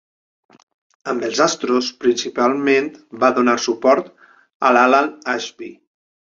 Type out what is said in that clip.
Amb els Astros, principalment va donar suport a Alan Ashby.